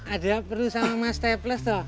ada perlu sama mas tay plus tuh